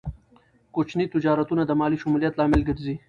کوچني تجارتونه د مالي شمولیت لامل ګرځي.